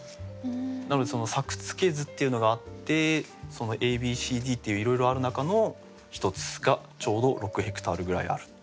なので作付図っていうのがあってそのＡＢＣＤっていういろいろある中の一つがちょうど６ヘクタールぐらいある。